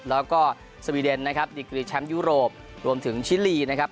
แล้วก็สวีเดนนะครับดิกรีแชมป์ยุโรปรวมถึงชิลีนะครับ